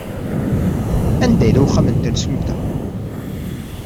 Anda yella uxxam n temsulta?